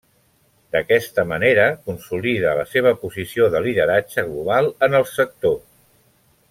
D'aquesta manera consolida la seva posició de lideratge global en el sector.